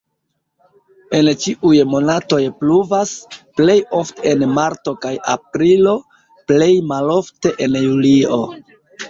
En ĉiuj monatoj pluvas, plej ofte en marto kaj aprilo, plej malofte en julio.